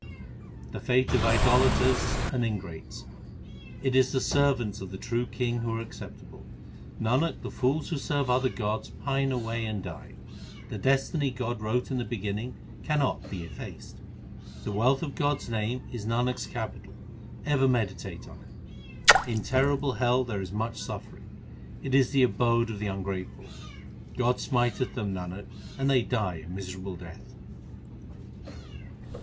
The fate of idolaters and ingrates : It is the servants of the True King who are acceptable ; Nanak, the fools who serve other gods pine away and die. The destiny God wrote in the beginning cannot be effaced. 1 That is, to assist them. HYMNS OF GURU ARJAN 273 The wealth of God s name is Nanak s capital ; ever meditate on it. In terrible hell there is much suffering ; it is the abode of the ungrateful. God smiteth them, Nanak, and they die a miserable death.